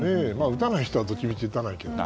打たない人はどっちみち打たないけど。